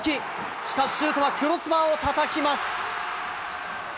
しかし、シュートはクロスバーをたたきます。